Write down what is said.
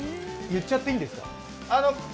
言っちゃっていいんですか？